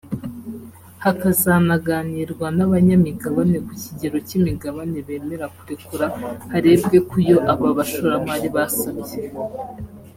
hakazanaganirwa n’abanyamigabane ku kigero cy’imigabane bemera kurekura harebwe ku yo aba bashoramari basabye